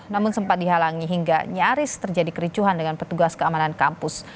namun sempat dihalangi hingga nyaris terjadi kericuhan dengan petugas keamanan kampus